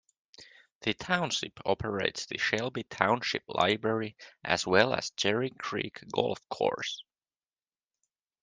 The Township operates the Shelby Township Library as well as Cherry Creek Golf Course.